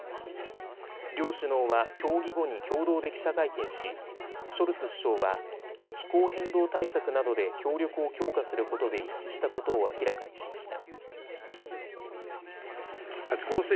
両首脳は協議後に共同で記者会見しショルツ首相は気候変動対策などで協力を強化することで一致したことを明らかにしました。